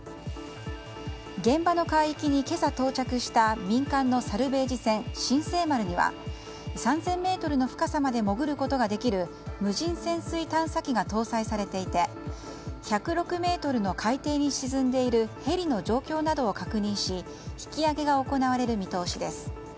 現場の海域に今朝到着した民間のサルベージ船「新世丸」には３０００ｍの深さまで潜ることができる無人潜水探査機が搭載されていて１０６ｍの海底に沈んでいるヘリの状況などを確認し引き揚げが行われる見通しです。